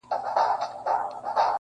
o دغه تیارې غواړي د سپینو څراغونو کیسې,